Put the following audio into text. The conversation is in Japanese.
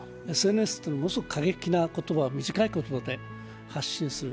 ＳＮＳってものすごく過激な言葉を短い言葉で発信する。